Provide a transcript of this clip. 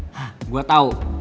hah gue tau